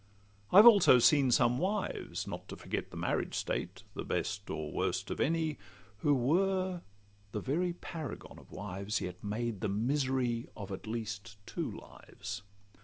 I've also seen some wives (not to forget The marriage state, the best or worst of any) Who were the very paragons of wives, Yet made the misery of at least two lives.